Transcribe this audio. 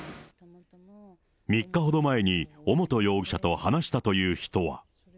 ３日ほど前に尾本容疑者と話したという人は。